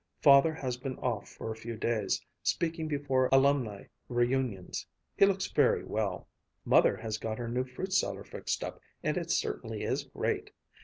Father has been off for a few days, speaking before Alumni reunions. He looks very well. Mother has got her new fruit cellar fixed up, and it certainly is great.